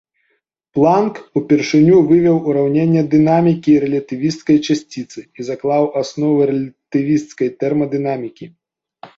Планк упершыню вывеў ураўненні дынамікі рэлятывісцкай часціцы і заклаў асновы рэлятывісцкай тэрмадынамікі.